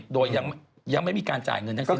โดยยังไม่มีการจ่ายเงินทั้งสิ้น